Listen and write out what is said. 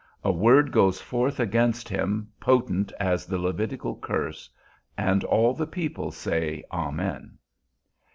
A word goes forth against him potent as the levitical curse, and all the people say amen.